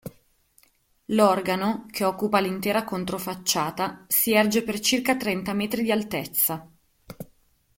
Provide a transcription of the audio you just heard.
L'organo, che occupa l'intera controfacciata, si erge per circa trenta metri di altezza.